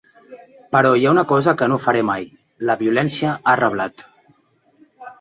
Però hi ha una cosa que no faré mai: la violència, ha reblat.